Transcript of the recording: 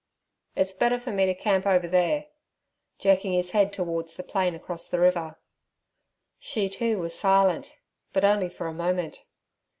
'It's better for me to camp over there'—jerking his head towards the plain across the river. She, too, was silent, but only for a moment.